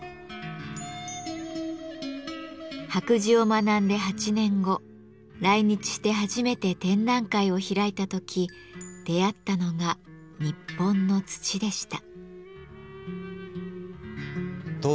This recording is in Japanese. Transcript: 白磁を学んで８年後来日して初めて展覧会を開いた時出会ったのが「日本の土」でした。